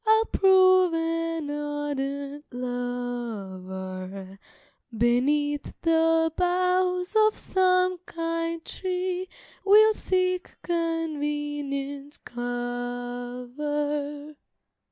I'll prove an ardent lover, Beneath the boughs of some kind tree We'll seek convenient cover.